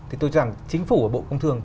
thì tôi cho rằng chính phủ của bộ công thương